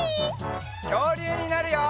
きょうりゅうになるよ！